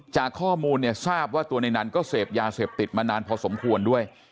จากข้อมูลเนี่ยทราบว่าตัวในนั้นก็เสพยาเสพติดมานานพอสมควรด้วย